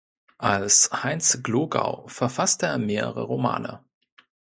Als "Heinz Glogau" verfasste er mehrere Romane.